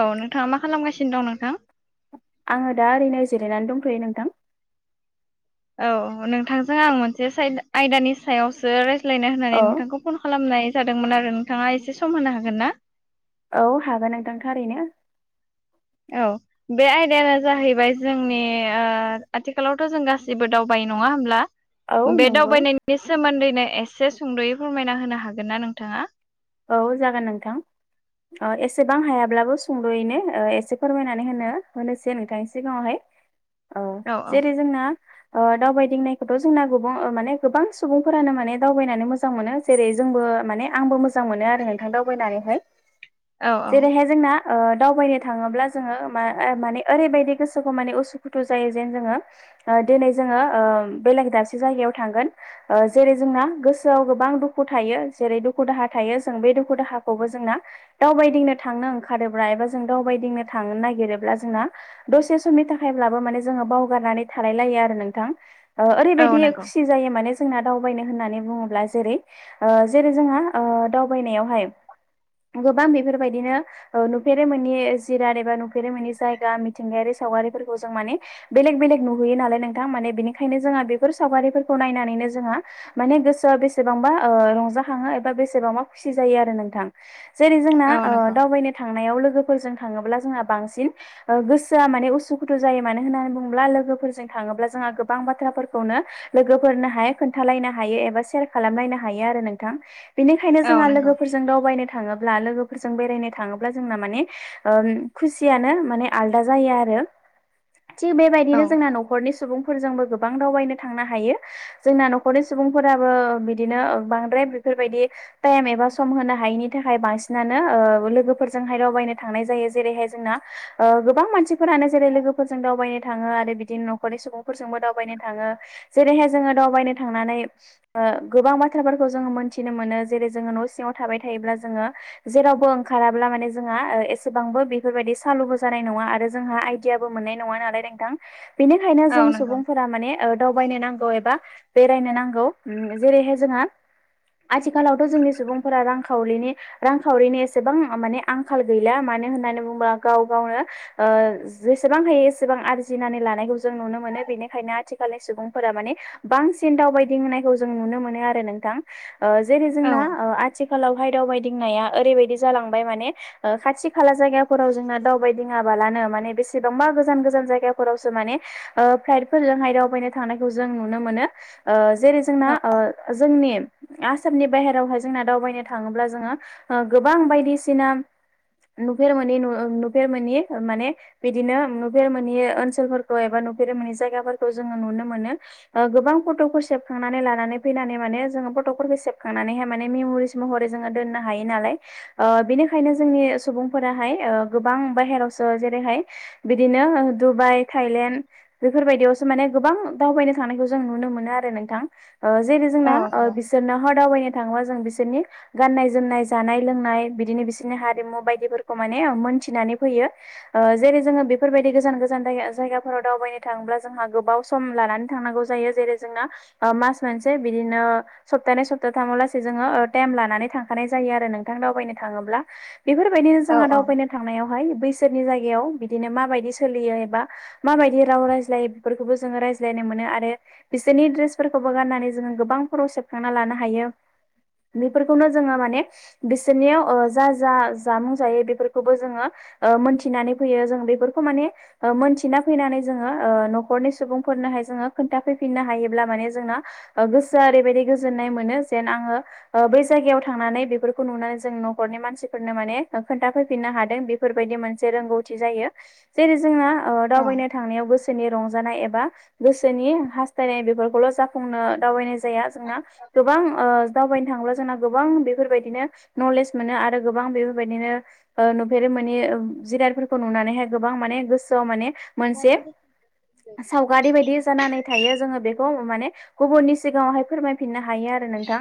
औ नोंथाङा मा खालामगासिनो दं नोंथां आङो दा ओरैनो जिरायनानै दंथ'यो नोंथां औ नोंथांजों आं मोनसे सायद आयदानि सायावसो रायज्लायनो होननानै औ नोंथांखौ फन खालामनाय जादोंमोन आरो नोंथाङा एसे सम होनो हागोन ना औ हागोन नोंथां थारैनो औ बे आयदायानो जाहैबाय जोंनि आथिखालावथ' जों गासिबो दावबाय नङा होमब्ला औ बे नंगौ दावबायनायनि सोमोन्दैनो एसे सुंद'यै फोरमायना होनो हागोन ना नोंथाङा औ जागोन नोंथां एसेबां हायाब्लाबो सुंद'यैनो एसे फोरमायनानै होनो होनोसै नोंथांनि सिगाङावहाय औ जेरै जोंना दावबायदिंनायखौथ' जोंना गुबां माने गोबां सुबुंफोरानो माने दावबायनानै मोजां मोनो जेरै जोंबो माने आंबो मोजां मोनो आरो नोंथां दावबायनानैहाय औ औ जेरैहाय जोंना दावबायनो थाङोब्ला जोङो मा माने ओरैबायदि गोसोखौ माने उसुखुथु जायो जेन जोङो दिनै जोङो बेलेग दाबसे जायगायाव थांगोन जेरै जोंना गोसोआव गोबां दुखु थायो जेरै दुखु दाहा थायो जों बे दुखु दाहाखौबो जोंना दावबायदिनो थांनो ओंखारोब्ला एबा जों दावबायदिनो थांनो नागिरोब्ला जोंना दसे समनि थाखायब्लाबो माने जोङो बावगारनानै थालाय लायो आरो नोंथां औ ओरैबायदि नंगौ खुसि जायो माने जोंना दावबायनो होननानै बुङोब्ला जेरै जेरै जोंहा दावबायनायावहाय गोबां बेफोरबायदिनो नुफेरै मनि जिराद एबा नुफेरै मनि जायगा मिथिंगायारि सावगारिफोरखौ जों माने बेलेग बेलेग नुहैयो नालाय नोंथां माने बेनिखायनो जोहा बेफोर सावगारिफोरखौ नायनानैनो जोंहा माने गोसोआ बेसेबांबा रंजााखाङो बा बेसेबांबा खुसि जायो आरो नोंथां जेरै जोंना औ ओ नंगौ दावबायनो थांनायाव लोगोफोरजों थाङोब्ला जोंहा बांसिन गोसोआ माने उसुखुथु जायो मानो होननानै बुङोब्ला लोगोफोरजों थाङोब्ला जोंहा गोबां बाथ्राफोरखौनो लोगोफोरनो हाया खोन्थालायनो हायो एबा शेयार खालामलायनो हायो आरो नोंथां बेनिखायनो औ जोंहा नंगौ लोगोफोरजों दावबायनो थाङोब्ला लोगोफोरजों बेरायनो थाङोब्ला जोंना माने खुसियानो माने आलदा जायो आरो थिग औ बेबायदिनो जोंना न'खरनि सुबुंफोरजोंबो गोबां दावबायनो थांनो हायो जोंना न'खरनि सुबुंफोराबो बिदिनो बांद्राय बेफोरबायदि टाइम एबा सम होनो हायैनि थाखाय बांसिनानो लोगोफोरजोंहाय दावबायनो थांनाय जायो जेरैहाय जोंना गोबां मानसिफोरानो जेरै लोगोफोरजों दावबायनो थाङो आरो बिदिनो न'खरनि सुबुंफोरजोंबो दावबायनो थाङो जेरैहाय जोङो दावबायनो थांनानै गोबां बाथ्राफोरखौ जोङो मोनथिनो मोनो। जेरै जोङो न' सिङाव थाबाय थायोब्ला जोङो, जेरावबो ओंखाराब्ला माने जोंहा एसेबांबो बेफोरबायदि सालुबो जानाय नङा आरो जोंहा आइ आइदियाबो मोननाय नङा नालाय नोंथां बेनिखायनो औ जों नंगौ सुबुंफोर माने दावबायनो नांगौ एबा बेरायनो नांगौ जेरैहाय जोंहा, आथिखालावथ' जोंनि सुबुंफोरा रांखावरिनि, रांखावरिनि एसेबां माने आंखाल गैला मानो होननानै बुङोबा गाव गावनो ओ, जेसेबां हायो एसेबां आरजिनानै लानायखौ जों नुनो मोनो बेनिखायनो आथिखालनि सुबुंफोरा माने, बांसिन दावबायदि होननायखौ जों नुनो मोनो आरो नोंथां। ओ जेरै औ जोंना आथिखालावहाय दावबायदिंनाया ओरैबायदि जालांबाय माने, खाथि खाला जायगाफोराव जोंना दावबायदिङाबालानो माने बेसेबांबा गोजान गोजान जायगाफोरावसो माने, ओ फ्लााइटफोरजों आयदावबायनो थांनायखौ जों नुनो मोनो ओ, जेरै जोंना ओ जोंनि आस आसामनि बाहेरावहाय जोंना दावबायनो थाङोब्ला जोङो गोबां बायदिसिना, नुफेर मोनि नु नुफेर मोननि माने, बिदिनो नुफेर मोननि ओनसोलफोरखौ एबा नुफेर मोनै जायगाफोरखौ जोङो नुनो मोनो, गोबां फट'खौ सेबखांनानै लानानै फैनानै माने जोङो फट'फोरखौ सेब, खांनानैहाय माने मेम'रिस महरै जोङो दोननो हायो नालाय, ओ बिनिखायनो जोंनि सुबुंफोराहाय गोबां बायेरावसो जेरैहाय, बिदिनो दुबाइ थाइलेण्ड, बेफोरबायदियावसो माने गोबां दावबायनो थांनायखौ जों नुनो मोनो आरो नोंथां। ओ जेरै औ जोंना नंगौ बिसोरनो हा दावबायनो थाङोबा जों बिसोरनि, गाननाय जोमनाय जानाय लोंनाय बिदिनो बिसोरनि हारिमु बायदिफोरखौ माने मोनथिनानै फैयो। ओ जेरै जोङो बेफोरबायदि गोजान गोजान जायगाफोराव दावबायनो थाङोबा जोंहा गोबाव स सम लानानै थांनांगौ जायो जेरै जों मास मोनसे बिदिनो सप्तानै सप सप्तामलासे जोङो ओ टाइम लानानै थांखानाय जायो आरो नोंथां दावबायनो थाङोब्ला। बेफोरबायदिनो औ जोंहा दावबायैनो थांनायावहाय बैसोरनि जायगायाव बिदिनो माबायदि सोलियो एबा, माबायदि राव रायज्लायो बेफोरखौबो जोङो रायज्लायनो मोनो आरो बिसोरनि दड्रेसफोरखौबो गाननानै जोङो गोबां फट'ग सेबखांना लानो हायो। बेफोरखौनो जोङो माने, बिसोरनियाव ओ जा जा जामुं जायो बेफोरखौबो जोङो। मोनथिनानै फैयो जों बेफोरखौ माने, मोनथिना फैनानै जोङो ओ न'खरनि सुबुंफोरनोहाय जोङो खोन्थाफैफिननो हायोब्ला माने जोंना। गोसोआ ओरैबायदि गोजोननाय मोनो जेन आङो। बै जायगायाव थांनानै बेफोरखौ नुनानै जों न'खरनि मानसिफोरनो माने खोन्थाफैफिननो हादों बे बेफोरबायदि मोनसे रोंगौथि जायो। जेरै जोंना, ओ दावबायनो औ थांनायाव गोसोनि रंजानाय एबा गोसोनि हास्थायनाय बेफोरखौल' जाफुंनो दावबायनाय जाया जोंना। गोबां ओ दावबायनो थाङोब्ला जोंना गोबां बेफोरबायदिनो नलेज मोनो आरो गोबां बेफोरबायदिनो, ओ नुफेरे मोनि जिरादफोरखौ नुनानैहाय गोबां माने गोसोआव माने, मोनसे, सावगारि बायदि जानानै थायो जोङो बेखौ माने गुबुननि सिगाङावहाय फोरमायफिननो हायो आरो नोंथां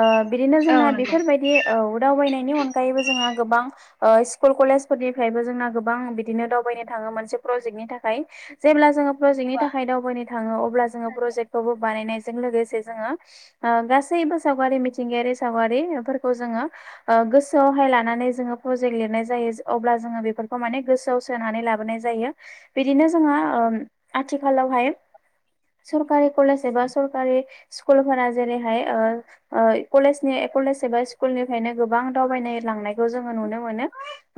ओ बिदिनो औ जोंना नंगौ बेफोरबायदि, औ दावबायनायनि अनगायैबो जोंहा गोबां, ओ स्कुल कलेज फोरनिफ्रायबो जोंना गोबां बिदिनो दावबायनो थाङो मोनसे प्रजेक्टनि थाखाय, जेब्ला जोङो। प्रजेक्टनि थाखाय दावबायनो थाङो अब्ला जोङो प्रजेक्टखौबो बानायनायजों लोगोसे जोङो। ओ गासैबो सावगारि मिथिंगायारि सावगारि फोरखौ जोङो। गोसो आवहाय लानानै जोङो प्रजेक्ट लिरनाय जायो। अब्ला जोङो बेफोरखौ माने गोसो गोसोनानै लाबोनाय जायो बिदिनो जोंहो ओम आथिखालावहाय सरकारि कलेज एबा सरकारि स्कुलफोरा जेरैहाय ओ ओ कलेजनि कलेज एबा स्कुलनिफ्रायनो गोबां दावबायनाय लांनायखौ जोङो नुनो मोनो।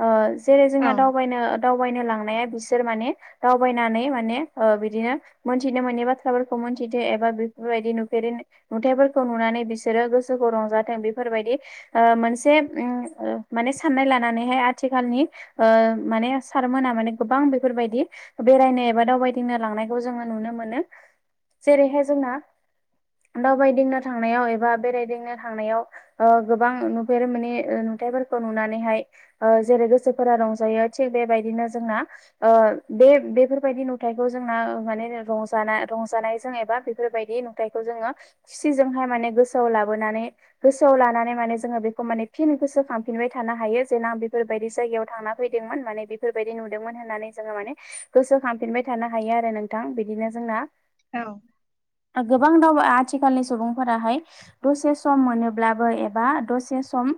ओ जेरै जोंना औ दावबायनो दावबायनो लांनाया बिसोर माने दावबायनानै माने ओ बिदिनो मोनथिनो मोनै बाथ्राफोरखौ मोनथिदो एबा बेफोरबायदि नुफेरै नुथायाइफोरखौ नुनानै बिसोरो गोसोखौ रंजाथों बेफोरबायदि ओ मोनसे उम माने साननाय लानानैहाय आथिखालनि ओ माने सारमोना माने गोबां बेफोरबायदि बेरायनो एबा दावबायदिंनो लांनायखौ जोङो नुनो मोनो जेरैहाय जोंना दावबायदिंनो थांनायाव एबा बेरायदिंनो थांनायाव ओ गोबां नुफेर मोनि नुथाइफोरखौ नुनानैहाय ओ जेरै गोसोफोरा रंजायो थिग बेबायदिनो जोंना ओ बे बेफोरबायदि नुथाइखौ जोंना माने रंजानाय रंजानायजों एबा बेफोरबायदि फिथायखौ जोङो खुसिजोंहाय माने गोसोआव लाबोनानै गोसोआव लानानै माने जोङो बेखौ माने फिन गोसो खांफिनबाय थानो हायो जेेन बे फोरबायदि जायगायाव थांना फैदोंमोन माने बेफोरबायदि नुदोंमोन होननानै जोङो माने गोसोखांफिनबाय थानो हायो आरो नों थां बिदिनो जोंना औ गोबां दाव आथिखालनि सुबुंफोराहाय दसे सम मोनोब्लाबो एबा दसे सम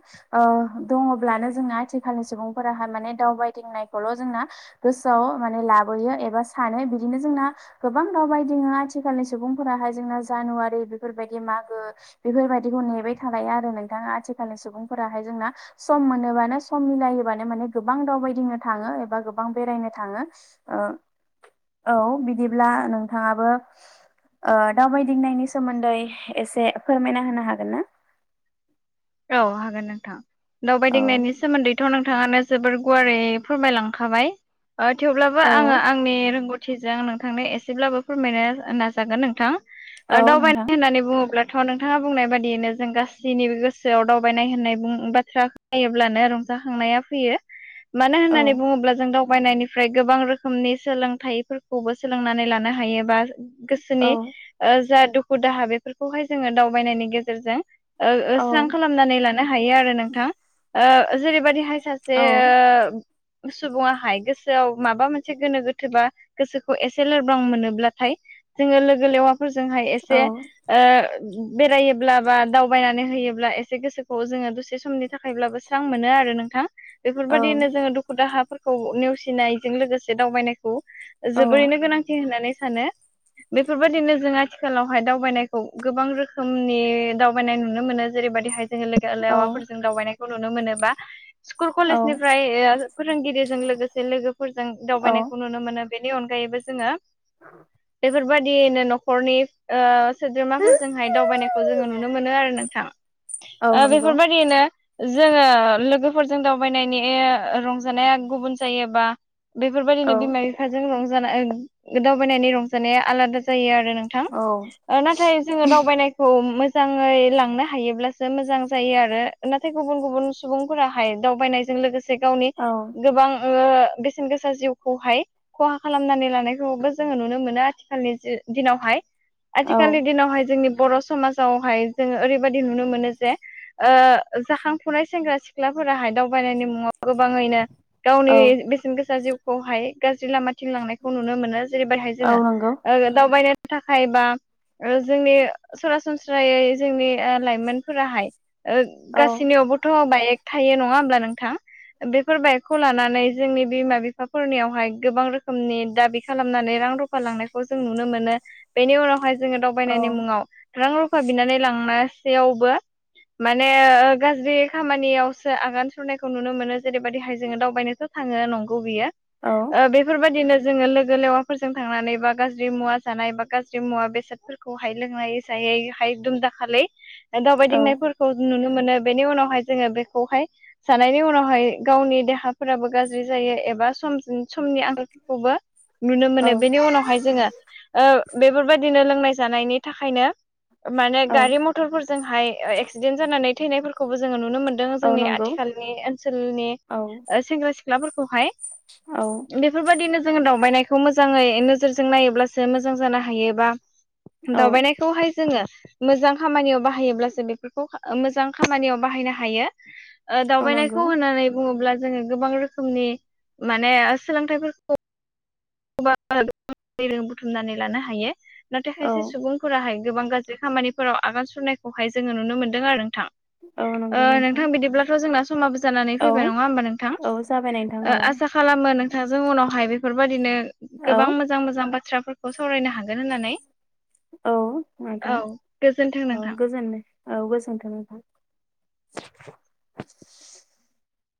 दङब्लानो जोंना आथिखालनि सुबुंफोराह माने दावबायदिंनायखौल' जोंना गोसोआव माने लाबोयो एबा सानो बिदिनो जोंना गोबां दावबायदिङ आथिखालनि सुबुंफोराहाय जोंना जानुवारि बेफोरबायदि मागो बेफोरबायदिखौ नेबाय थालाया आरो नोंथाङा आथिखालनि सुबुंफोराहाय जोंना सम मोनोबानो सम मिलायोबानो माने गोबां दावबायदिनो थाङो एबा गोबां बेरायनो थाङो। ओ औ बिदिब्ला नोंथाङाबो सोमोन्दै एसे फोरमायना होनो हागोनना? औ हागोन नोंथां औ दावबायदिंनायनि सोमोन्दैथ' नोंथाङानो जोबोर गुवारै फोरमायलांखाबाय थेवब्लाबो औ आङो आंनि रोंगौथि जों नोंथांनो एसेब्लाबो फोरमायनो नाजागोन नोंथां औ दावबायनो नोंथां होननानै बुङोब्ला थ' नोंथाङा बुंनाय बादियैनो जों गासैनिबो गोसो गोसोआव दावबायनाय होननाय बाथ्रा नायोबब्लानो रंजाखांनाया फैयो। मानो औ होन्नानै बुङोब्ला जों दा बायनायनिफ्राय गोबां रोखोमनि सोलोंथाइफोरखौबो सोलोंनानै लानो हायो बा औ गोसोनि जा दुखु दाहा बेफोरखौहाय जोङो दावबायनायनि गेजेरजों ओ औ स्रां खालामनानै लानो हायो आरो नोंथां ओ जेरैबायदिहाय सासे औ ओ सुबुङाहाय गोसोआव माबा मोनसे गोनो गोथोबा गोसोखौ एसे लोरबां मोनोब्लाथाय जोङो लोगो लेवा फोरजोंहाय औ एसे ओ बेरायोब्ला बा दावबायनानै होयोब्ला एसे गोसोखौ जोङो दसे समनि थाखायब्लाबो स्रां मोनो आरो नोंथां। औ बेफोरबायदिनो जोङो दुखु दाहाफोरखौ नेवसिनायजों लोगोसे दावबायनायखौ जोबोरैनो गोनांथि होननानै सानो। बेफोरबायदिनो जों आथिखालावहाय दावबायनायखौ गोबां रोखोमनि दावबायनाय नुनो मोनो। जेरैबायदि हायजों लोगो औ आवाफोरजों दावबायनायखौ नुनो मोनोबा। स्कुल औ कलेजनिफ्राय फोरोंगिरिजों लोगोसे लोगोफोरजों औ दावबायनायखौ नुनो मोनो। बेनि अनगायैबो जोङो [unintelligible] बेफोरबायाददियैनो न'खरनि सोद्रोमाफोरजोंहाय दावबायनायखौ जोङो नुनो मोनो आरो नोंथां। औ ओ नंगौ बेफोरबायदिनो जोङो लोगोफोरजों दावबायनायनि रंजानाया गुबुन जायोबा औ बेफोरबायदिनो बिमा बिफाजों रंजा दावबायनायनि रंजानाया आलादा जायो आरोना। औ नोंथां नाथाय जोङो दावबायनायखौ मोजाङै लांनो हायो। हायोब्लासो मोजां जायो आरो नाथाय गुबुन गुबुन सुबुंफोराहाय दावबायनायजों लोगोसे गावनि औ गोबां बेसेन गोसा जिउखौहाय खहा खालामनानै लानायखौबो जोङो नुनो मोनो आथिखालनि दिनावहाय आथिखालनि औ दिनावहाय जोंनि बर' समाजावहाय जोङो ओरै नुनो मोनो जे जाखांफुनाय सेंग्रा सिख्लाफोराहाय दावबायनायनि गोबाङैनो गावनि औ बेसेन गोसा जिउखौहाय गाज्रि लामाथिं लांनायखौ नुनो मोनो जेरैबायहाय औ जोङो नंगौ ओ दावबायनाय थाखाय ओ बा जोंनि सरासनस्रायै जोंनि ओ लाइमोनफोराहाय ओ औ गासैनियावबोथ' बाइक थायो नङा होमब्ला नोंथां बेफोर बाइकखौ लानानै जोंनि बिमा-बिफा फोरनियावहाय गोबां रोखोमनि दाबि खालामनानै रां रुफ फालांनायखौ जों नुनो मोनो बेनि उनावहाय जोङो औ दावबायनायनि मुङाव रां रुफा बिनानै लांनासेयावबो माने ओ गाज्रि खामानियावसो आगान सुरनायखौ नुनो मोनो जेरैबायदि हाइ जोेंङो दावबायनायखौ थाङो नंगौ बियो। औ। ओ बेफोरबायदिनो जोङो लोगो लेवाफोरजों थांनानै बा गाज्रि मुवा जानाय बा गाज्रि मुवा बेसाद फोरखौहाय लोंनाय‌ जायै हाय दुम दाखालै दावबायदिंनायफोरखौ नुनो मोनो बेनि उनावहाय जोङो बेखौहाय जानायनि उनावहाय गावनि देहाफोराबो गाज्रि जायो एबा सम समनि आंखालफोरखौबो नुनो मोनो बेनि उनावहाय जोङो ओ बेफोरबायदिनो लोंनाय जानायनि थाखायनो माने औ गारि मथरफोरजोंहाय ओ एक्सिडेन्ट जानानै थैनायफोरखौबो जोङो नुनो मोनदों। औ जोंनि नंगौ आथिखालनि ओनसोलनि औ ओ सेंग्रा सिख्लाफोरखौहाय औ। बेफोरबायदिनो जोङो दावबायनायखौ मोजाङै नोजोरजों नायोब्लासो मोजां जानो हायोबा औ दावबायनायखौहाय जोङो मोजां खामानियाव बाहायोब्लासो बेफोरखौ मोजां खामानियाव बाहायनो हायो। ओ औ नंगौ दावबायनायखौ होननानै बुङोब्ला जोङो गोबां रोखोमनि माने सोलोंथाइफोरखौ बुथुमनानै लानो हायो। नाथाय औ खायसे सुबुंफोराहाय गोबां गाज्रि खामानिफोराव आगान सुरनायखौहाय जोङो नुनो मोनदों आरो नोंथां। औ नंगौ ओ नोंथां बिदिब्लाथ' जोंना समाबो जानानै औ फैबाय नङा होमबा नोंथां औ जाबाय नोंथां औ ओ आसा खालामो नोंथांजों उनावहाय बेफोरबायदिनो औ गोबां मोजां मोजां बाथ्राफोरखौ सावरायनो हागोन होननानै। औ नोंथां औ गोजोन्थों नोंथां। [unintelligible] औ गोजोन्थों नोंथां।